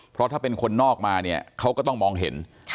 เพราะถ้าเป็นคนนอกมาเนี่ยเขาก็ต้องมองเห็น